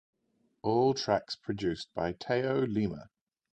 All tracks produced by Teo Lima.